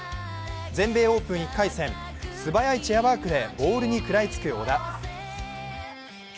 全米オープン１回戦、素早いチェアワークでボールに食らいつく小田。